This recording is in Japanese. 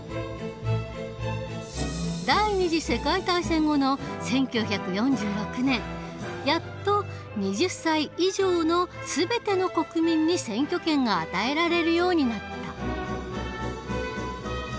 第２次世界大戦後の１９４６年やっと２０歳以上の全ての国民に選挙権が与えられるようになった。